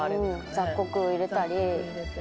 雑穀入れたり。